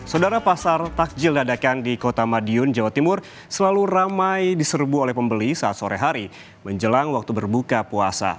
saudara pasar takjil dadakan di kota madiun jawa timur selalu ramai diserbu oleh pembeli saat sore hari menjelang waktu berbuka puasa